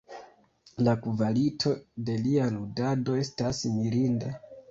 La kvalito de lia ludado estas mirinda.